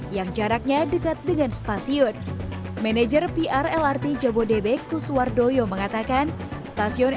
yang jaraknya dekat dengan stasiun manajer pr lrt jabodebek kuswardoyo mengatakan stasiun